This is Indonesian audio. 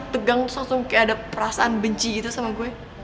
tegang terus langsung kayak ada perasaan benci gitu sama gue